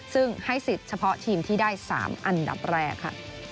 ซึ่งให้สิทธิ์เฉพาะทีมที่ได้๓อันดับแรกค่ะ